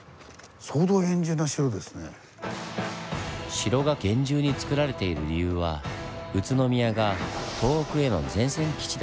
城が厳重につくられている理由は宇都宮が東北への前線基地だったため。